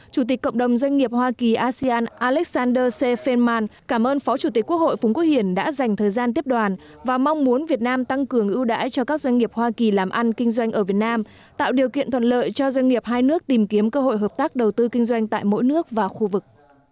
chủ tịch cộng đồng doanh nghiệp hoa kỳ asean alexander sefellman cảm ơn phó chủ tịch quốc hội phúng quốc hiển đã dành thời gian tiếp đoàn và mong muốn việt nam tăng cường ưu đãi cho các doanh nghiệp hoa kỳ làm ăn kinh doanh ở việt nam tạo điều kiện thuận lợi cho doanh nghiệp hai nước tìm kiếm cơ hội hợp tác đầu tư kinh doanh tại mỗi nước và khu vực